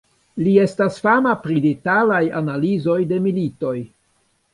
Li estas fama pri detalaj analizoj de militoj.